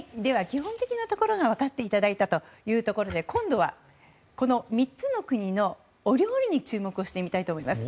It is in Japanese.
基本的なところを分かっていただいたところで今度はこの３つの国のお料理に注目していこうと思います。